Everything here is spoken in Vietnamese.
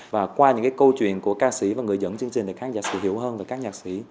và qua những câu chuyện của ca sĩ và người dẫn chương trình để khán giả sử hiểu hơn về các nhạc sĩ